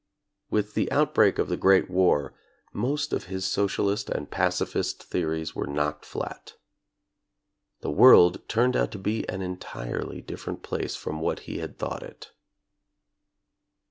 With the outbreak of the Great War, most of his socialist and pacifist theories were knocked flat. The world turned out to be an entirely different place from what he had thought it.